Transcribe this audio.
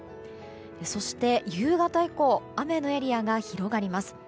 そして、夕方以降雨のエリアが広がります。